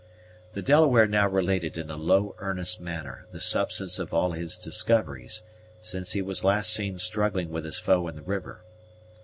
The Delaware now related in a low earnest manner the substance of all his discoveries, since he was last seen struggling with his foe in the river.